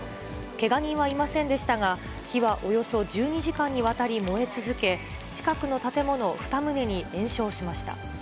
けが人はいませんでしたが、火はおよそ１２時間にわたり燃え続け、近くの建物２棟に延焼しました。